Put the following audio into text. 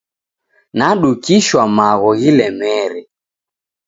Nadukishwa magho ghilemere.